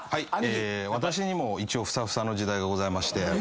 私にも一応ふさふさの時代がございまして。